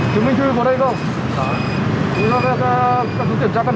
chứng minh thư của đây không